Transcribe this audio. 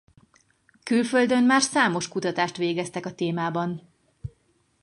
Külföldön már számos kutatást végeztek a témában.